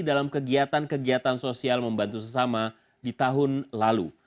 dalam kegiatan kegiatan sosial membantu sesama di tahun lalu